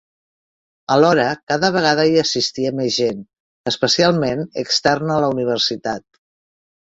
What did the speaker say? Alhora cada vegada hi assistia més gent, especialment externa a la universitat.